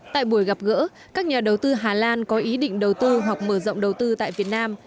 tại buổi gặp gỡ các nhà đầu tư hà lan có ý định đầu tư hoặc mở rộng đầu tư tại việt nam